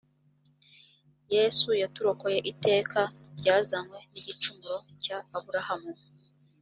yesu yaturokoye iteka ryazanywe n igicumuro cya aburahamu